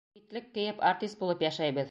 Битлек кейеп артист булып йәшәйбеҙ.